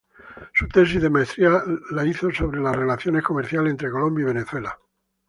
Su tesis de maestría la hizo sobre las relaciones comerciales entre Colombia y Venezuela.